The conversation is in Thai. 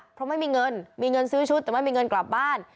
เพราะไม่มีเงินมีเงินซื้อชุดแต่ไม่มีเงินกลับบ้าน